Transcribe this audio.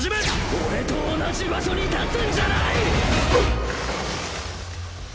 俺と同じ場所に立つんじゃない！